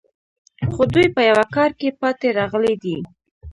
خو دوی په یوه کار کې پاتې راغلي دي